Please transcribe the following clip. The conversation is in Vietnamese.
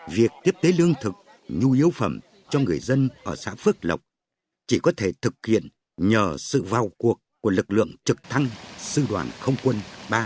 việc tiếp tế lương thực nhu yếu phẩm cho người dân ở xã phước lộc chỉ có thể thực hiện nhờ sự vào cuộc của lực lượng trực thăng sư đoàn không quân ba trăm sáu mươi